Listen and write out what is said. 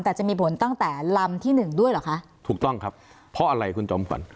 แต่จะมีผลตั้งแต่ลำที่หนึ่งด้วยเหรอคะถูกต้องครับเพราะอะไรคุณจอมฝัน